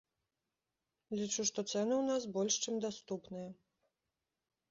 Лічу, што цэны ў нас больш чым даступныя.